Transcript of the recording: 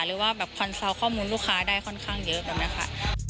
หรือว่าแบบคอนเซาลข้อมูลลูกค้าได้ค่อนข้างเยอะแบบนี้ค่ะ